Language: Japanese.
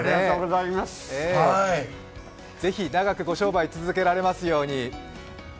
ぜひ長くご商売続けられますように。